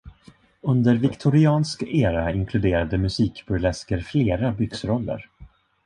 Under viktoriansk era inkluderade musikburlesker flera byxroller.